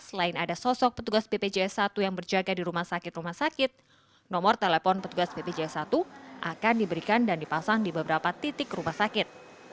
selain ada sosok petugas bpjs satu yang berjaga di rumah sakit rumah sakit nomor telepon petugas bpjs satu akan diberikan dan dipasang di beberapa titik rumah sakit